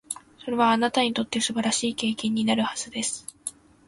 それは、あなたにとって素晴らしい経験になるはずです。